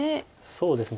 そうですね。